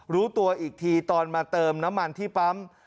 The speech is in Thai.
รู้ตัวอีกทีตอนมาเติมน้ำมันที่ปั๊ม